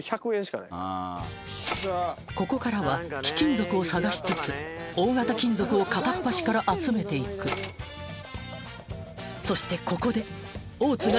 ここからは貴金属を探しつつ大型金属を片っ端から集めて行くそしてここでうわ。